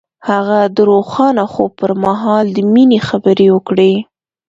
هغه د روښانه خوب پر مهال د مینې خبرې وکړې.